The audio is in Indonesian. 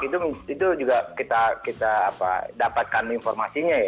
itu juga kita dapatkan informasinya ya